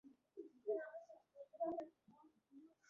واضح هدف تجارت سمه لاره ټاکي.